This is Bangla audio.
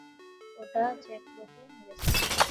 ওটা জ্যাকবকে মেরেছে।